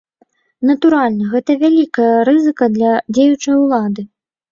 Натуральна, гэта вялікая рызыка для дзеючай улады.